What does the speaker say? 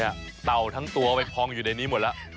เต่าทั้งตัวไปพองอยู่ในนี้หมดแล้ว